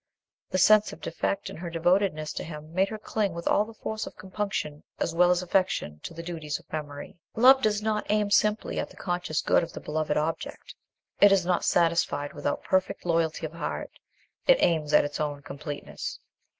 The sense of defect in her devotedness to him made her cling with all the force of compunction as well as affection to the duties of memory. Love does not aim simply at the conscious good of the beloved object: it is not satisfied without perfect loyalty of heart; it aims at its own completeness.